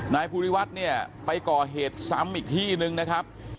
นายภูริวัฒน์เนี่ยไปก่อเหตุซ้ำอีกที่นึงนะครับ